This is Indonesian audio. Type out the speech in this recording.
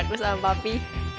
ini aku sama papi